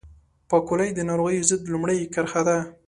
پاکوالی د ناروغیو ضد لومړۍ کرښه ده